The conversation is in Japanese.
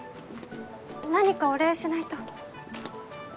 何かお礼しないと。